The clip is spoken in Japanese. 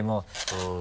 うん。